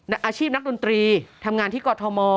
อาชีพนักดนตรีทำงานที่กอทม